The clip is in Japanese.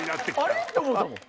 あれ？って思うたもん。